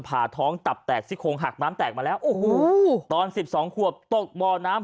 ผ่าท้องตับแตกซี่โคงหักน้ำแตกมาแล้วโอ้โหตอน๑๒ขวบตกบ่อน้ำ